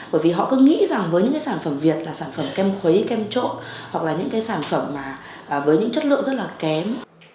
bởi vì họ cứ nghĩ rằng với những cái sản phẩm việt là sản phẩm kem khuấy kem trộn hoặc là những cái sản phẩm mà với những chất lượng rất là kém